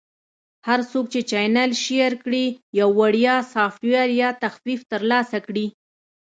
- هر څوک چې چینل Share کړي، یو وړیا سافټویر یا تخفیف ترلاسه کړي.